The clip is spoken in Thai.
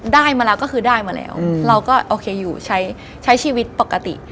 ได้มาแล้วก็คือได้มาแล้วเราก็โอเคอยู่ใช้ชีวิตปกติ